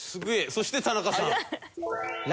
そして田中さん。